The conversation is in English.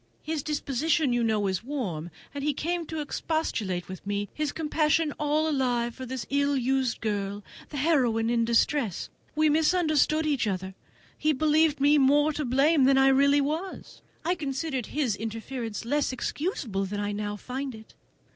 "His disposition, you know, is warm, and he came to expostulate with me; his compassion all alive for this ill used girl, this heroine in distress! We misunderstood each other: he believed me more to blame than I really was; I considered his interference less excusable than I now find it.